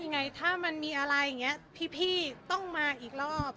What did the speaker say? ยังไงถ้ามันมีอะไรอย่างนี้พี่ต้องมาอีกรอบ